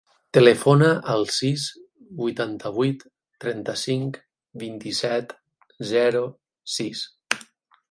Telefona al sis, vuitanta-vuit, trenta-cinc, vint-i-set, zero, sis.